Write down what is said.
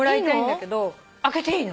開けていいの？